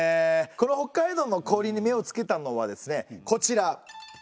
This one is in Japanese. この北海道の氷に目をつけたのはですねこちら。